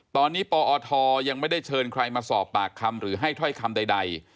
ตอนนี้ปอทยังไม่ได้เชิญใครมาสอบปากคำหรือให้ถ้อยคำใด